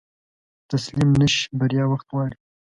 تسليم نشې، بريا وخت غواړي.